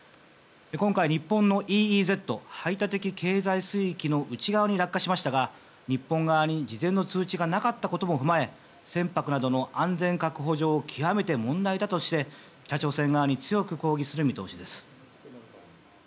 今回、日本のＥＥＺ・排他的経済水域の内側に落下しましたが日本側に事前の通知がなかったことも踏まえ船舶などの安全確保上極めて問題だとして北朝鮮側に強く抗議する見通しです。